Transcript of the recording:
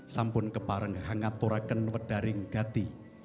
sampun keparang hanggaturaken wedaring gati